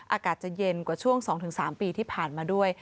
อากาศจะเย็นกว่าช่วง๒๓ปีที่ผ่านมาด้วย